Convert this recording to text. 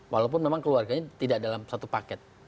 walaupun memang keluarganya tidak dalam satu paket